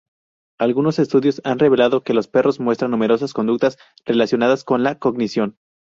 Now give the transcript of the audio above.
Algunos estudios han revelado que los perros muestran numerosas conductas relacionadas con la cognición.